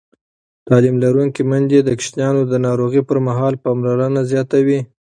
تعلیم لرونکې میندې د ماشومانو د ناروغۍ پر مهال پاملرنه زیاتوي.